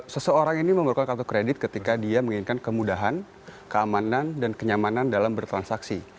seseorang ini memerlukan kartu kredit ketika dia menginginkan kemudahan keamanan dan kenyamanan dalam bertransaksi